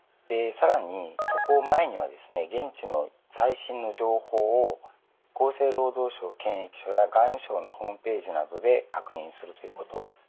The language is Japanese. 更に渡航前にはですね現地の最新の情報を厚生労働省検疫所や外務省のホームページなどで確認するということ。